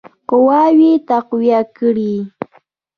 قواوي تقویه کړي.